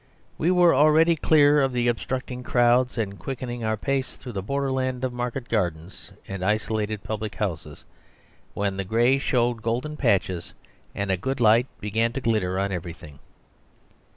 We were already clear of the obstructing crowds and quickening our pace through a borderland of market gardens and isolated public houses, when the grey showed golden patches and a good light began to glitter on everything.